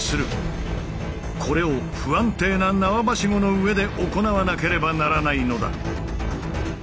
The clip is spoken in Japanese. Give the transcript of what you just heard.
これを不安定な縄ばしごの上で行わなければならないのだ。